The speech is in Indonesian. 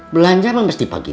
belanjaan mesti pagi